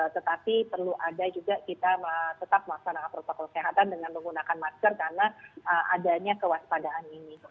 tetapi perlu ada juga kita tetap melaksanakan protokol kesehatan dengan menggunakan masker karena adanya kewaspadaan ini